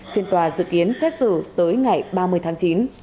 phiên tòa dự kiến xét xử tới ngày ba mươi tháng chín